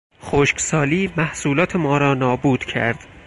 خشکسالی محصولات ما را نابود کرد.